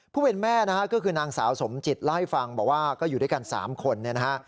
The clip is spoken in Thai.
แม่นะฮะก็คือนางสาวสมจิตเล่าให้ฟังบอกว่าก็อยู่ด้วยกัน๓คนเนี่ยนะฮะ